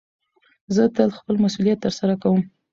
زه تل خپل مسئولیت ترسره کوم.